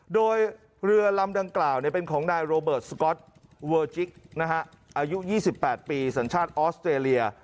โดยเรือลำดังกล่าวเป็นของนายโรเบิร์ตสก๊อตเวอร์จิกอายุ๒๘ปีสัญชาติออสเตรเลีย